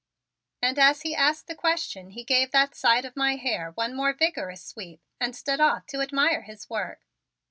And as he asked the question he gave that side of my hair one more vigorous sweep and stood off to admire his work.